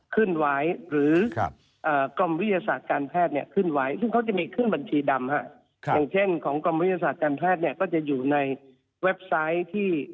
ขึ้นไว้หรือกรมวิทยาศาสตร์การแพทย์เนี่ยขึ้นไว้